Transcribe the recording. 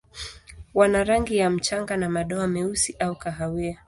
Wana rangi ya mchanga na madoa meusi au kahawia.